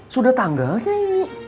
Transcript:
sudah tanggal kayak gini